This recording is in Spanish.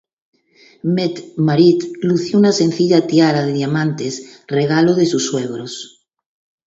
Mette-Marit lució una sencilla tiara de diamantes, regalo de sus suegros.